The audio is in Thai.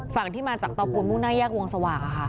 ฝั่งที่มาจากตอบกลมุ่งน่าแยกวงสวาค่ะค่ะ